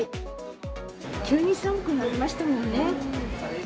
急に寒くなりましたもんね。